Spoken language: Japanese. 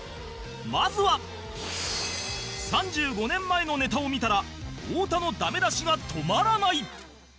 まずは３５年前のネタを見たら太田のダメ出しが止まらない